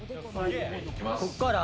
「ここから？」